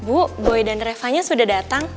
bu boy dan revanya sudah datang